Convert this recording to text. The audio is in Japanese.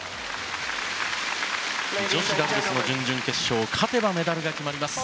女子ダブルスの準々決勝勝てばメダルが決まります。